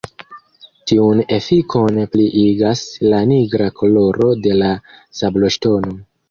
Tiun efikon pliigas la nigra koloro de la sabloŝtono.